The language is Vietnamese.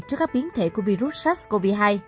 trước các biến thể của virus sars cov hai